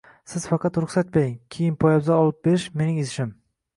Siz faqat ruxsat bering. Kiyim, poyabzal olib berish – mening ishim!